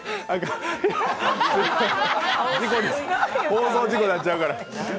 放送事故なっちゃうから。